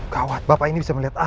gawat bapak ini bisa melihat al